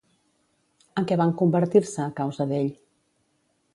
En què van convertir-se, a causa d'ell?